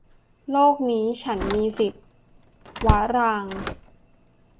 โลกนี้ฉันมีสิทธิ์ - วรางค์